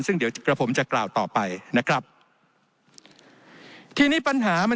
ซึ่งเดี๋ยวผมจะกล่าวต่อไปนะครับ